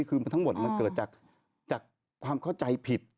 คือมันทั้งหมดมันเกิดจากความเข้าใจผิด